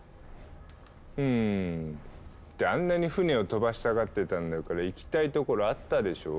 うむってあんなに船を飛ばしたがってたんだから行きたい所あったでしょう？